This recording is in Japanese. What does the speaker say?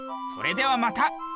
それではまた。